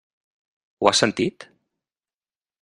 Ho has sentit?